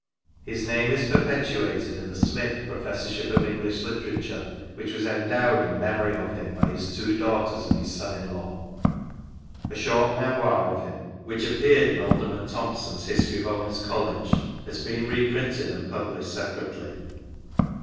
His name is per petuated in the " Smith " Professorship of English Literature, which was endowed in memory of him by his two daughters and his son in law. A short memoir of him, which appeared in Alderman Thompson's History of Owens College, has been reprinted and published separately.